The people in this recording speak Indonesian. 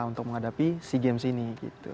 untuk menghadapi si games ini gitu